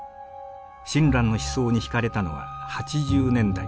親鸞の思想に惹かれたのは８０年代。